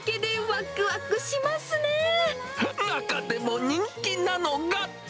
わー、中でも人気なのが。